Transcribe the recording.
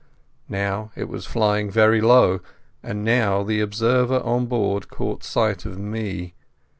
Now it was flying very low, and now the observer on board caught sight of me.